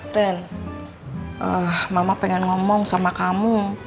mama pengen ngomong sama kamu